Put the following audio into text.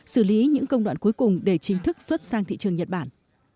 xử lý những công đoạn cuối cùng để chính thức xuất sang thị trường nhật bản